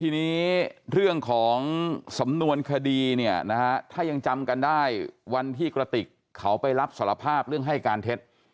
ทีนี้เรื่องของสำนวนคดีเนี่ยนะฮะถ้ายังจำกันได้วันที่กระติกเขาไปรับสารภาพเรื่องให้การเท็จ